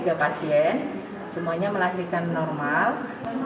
tiga pasien semuanya melahirkan normal